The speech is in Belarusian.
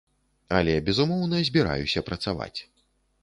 Але, безумоўна, збіраюся працаваць.